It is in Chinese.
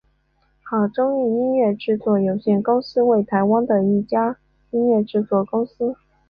好钟意音乐制作有限公司为台湾的一家音乐制作公司。